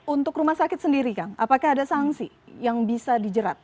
untuk rumah sakit sendiri kang apakah ada sanksi yang bisa dijerat